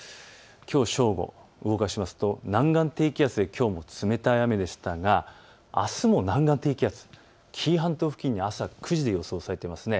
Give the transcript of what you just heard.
きょう正午、動かしますと南岸低気圧できょうは冷たい雨でしたがあすも南岸低気圧、紀伊半島付近に朝９時で予想されています。